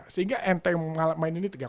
sehingga enteng main ini tiga puluh